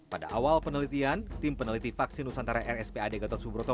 pada awal penelitian tim peneliti vaksin nusantara rspad gatot subroto